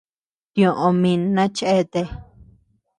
Tioʼö min na chi cheatea.